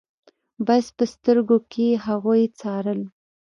بس په سترګو يې هغوی څارل.